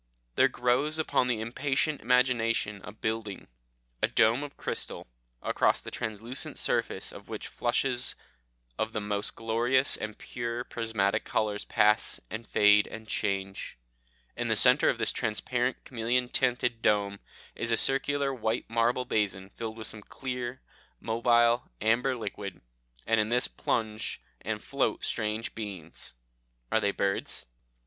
"There grows upon the impatient imagination a building, a dome of crystal, across the translucent surface of which flushes of the most glorious and pure prismatic colours pass and fade and change. In the centre of this transparent chameleon tinted dome is a circular white marble basin filled with some clear, mobile, amber liquid, and in this plunge and float strange beings. Are they birds?